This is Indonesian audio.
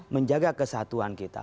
menjaga kesatuan kita